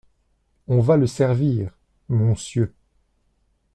On va le servir, monsieur.